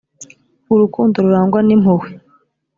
urukundo rurangwa n impuhwe